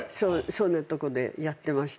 そんなとこでやってまして。